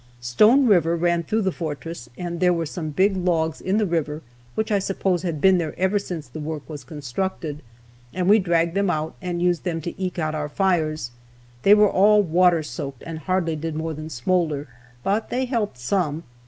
Stone river ran through the fortress, and there were some big logs in the river, which I suppose had been there ever since the work was constructed, and we dragged them out and used them to eke out our fires. They were all water soaked, and hardly did more than smoulder, but they helped some.